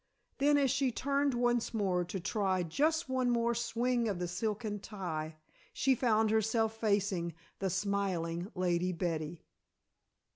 Then, as she turned once more to try just one more swing of the silken tie, she found herself facing the smiling Lady Betty.